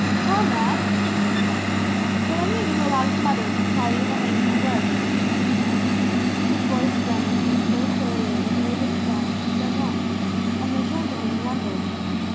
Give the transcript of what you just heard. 'Comrades,' he cried; 'would any of you allow your mother to be called evil names in the barrack room?' His voice rang put so clearly that there was a hush at once, and they turned to him in wonder.